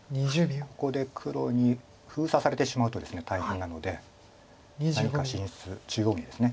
ここで黒に封鎖されてしまうとですね大変なので何か進出中央にですね。